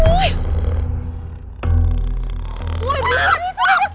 woi bukan itu dekat